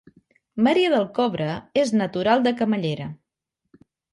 Maria del Cobre és natural de Camallera